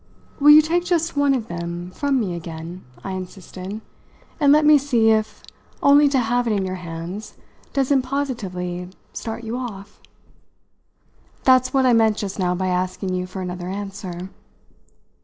Will you take just one of them from me again," I insisted, "and let me see if only to have it in your hands doesn't positively start you off? That's what I meant just now by asking you for another answer."